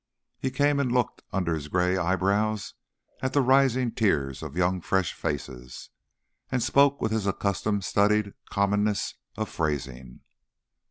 He came and looked under his grey eyebrows at the rising tiers of young fresh faces, and spoke with his accustomed studied commonness of phrasing.